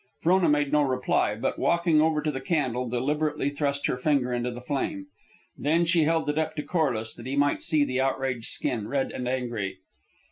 Frona made no reply, but, walking over to the candle, deliberately thrust her finger into the flame. Then she held it up to Corliss that he might see the outraged skin, red and angry.